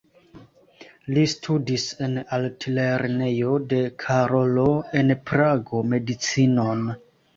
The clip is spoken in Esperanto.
Li studis en Altlernejo de Karolo en Prago medicinon.